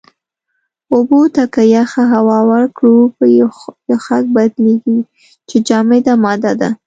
اوبو ته که يخه هوا ورکړو، په يَخٔک بدلېږي چې جامده ماده ده.